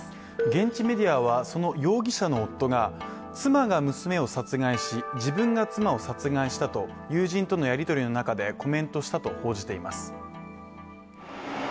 現地メディアはその容疑者の夫が妻が娘を殺害し、自分が妻を殺害したと友人とのやりとりの中でコメントしたと報じています。